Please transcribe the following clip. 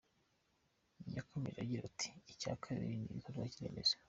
Yakomeje agira ati “Icya kabiri ni ibikorwa remezo.